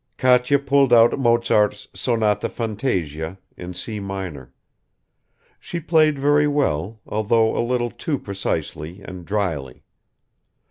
Katya pulled out Mozart's Sonata Fantasia in C minor. She played very well, although a little too precisely and drily.